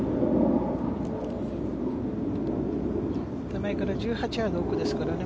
手前から１８ヤード奥ですからね